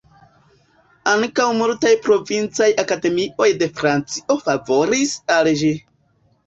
Ankaŭ multaj provincaj akademioj de Francio favoris al ĝi.